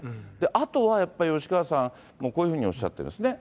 あとはやっぱり吉川さん、こういうふうにおっしゃってるんですよね。